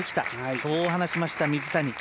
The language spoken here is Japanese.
そう話しました、水谷。